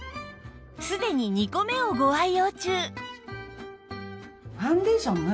すでに２個目をご愛用中